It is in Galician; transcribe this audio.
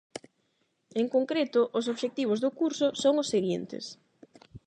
En concreto, os obxectivos do curso son os seguintes: